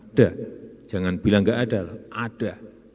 ada jangan bilang enggak ada ada